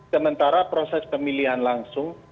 sementara proses pemilihan langsung